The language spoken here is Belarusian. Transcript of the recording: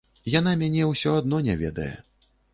Яна мяне ўсё адно не ведае.